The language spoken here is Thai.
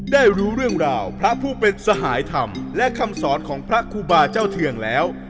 ได้รู้เรื่องราวพระผู้เป็นสหายธรรมและคำสอนของพระครูบาเจ้าเทืองแล้ว